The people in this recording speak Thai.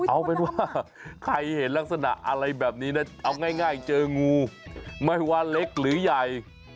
เอาเป็นว่าใครเห็นลักษณะอะไรแบบนี้นะเอาง่ายเจองูไม่ว่าเล็กหรือใหญ่